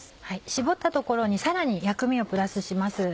絞ったところにさらに薬味をプラスします。